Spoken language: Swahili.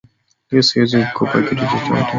Leo Siwezi kukupa kitu chochote